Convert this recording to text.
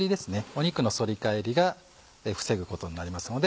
お肉の反り返りを防ぐことになりますので。